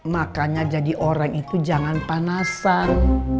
makanya jadi orang itu jangan panasan